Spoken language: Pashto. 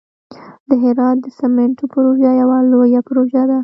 د هرات د سمنټو پروژه یوه لویه پروژه ده.